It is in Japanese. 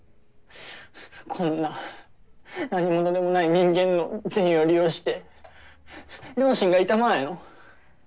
こんな何者でもない人間の善意を利用して良心が痛まないの？